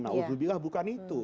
alhamdulillah bukan itu